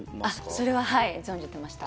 あそれははい存じてました